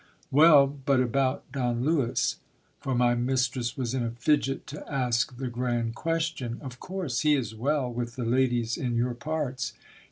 Well, but about Don Lewis ! for my mistress was in a fidget to ask the grand question. Of course ;.... he is well with the ladies in your parts